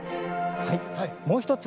もう一つ。